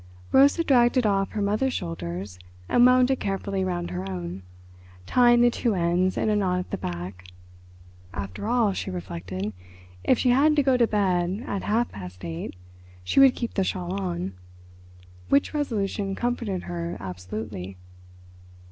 Rosa dragged it off her mother's shoulders and wound it carefully round her own, tying the two ends in a knot at the back. After all, she reflected, if she had to go to bed at half past eight she would keep the shawl on. Which resolution comforted her absolutely.